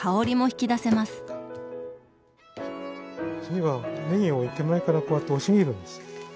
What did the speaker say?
次はねぎを手前からこうやって押し切るんです。